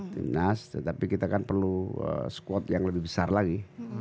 tim nas tapi kita kan perlu squad yang lebih besar lagi